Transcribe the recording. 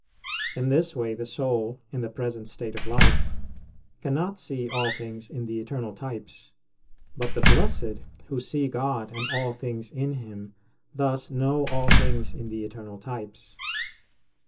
In this way the soul, in the present state of life, cannot see all things in the eternal types; but the blessed who see God, and all things in Him, thus know all things in the eternal types.